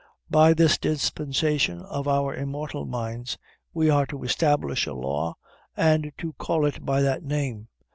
By this dispensation of our immortal minds we are to establish a law and to call it by that name.